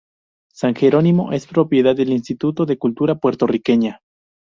San Gerónimo es propiedad del Instituto de Cultura Puertorriqueña.